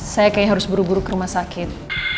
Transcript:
saya kayaknya harus buru buru ke rumah sakit